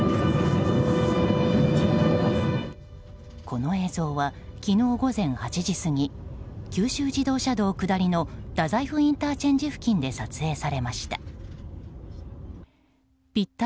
この映像は昨日午前８時過ぎ九州自動車道下りの大宰府ＩＣ付近で撮影されました。